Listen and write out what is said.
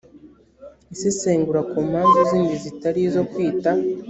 isesengura ku mpamvu zindi zitari izo kwita